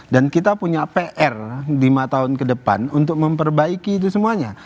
dan kita punya pr lima tahun ke depan untuk memperbaiki itu semuanya